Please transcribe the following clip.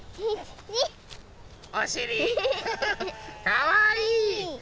かわいい！